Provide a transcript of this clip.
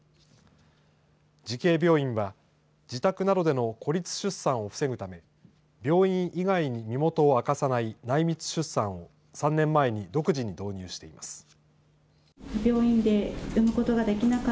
慈恵病院は自宅などでの孤立出産を防ぐため病院以外に身元を明かさない内密出産を３年前に独自に導入しています。